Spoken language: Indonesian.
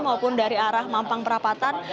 maupun dari arah mampang perapatan